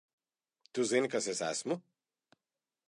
Tu zini, kas es esmu?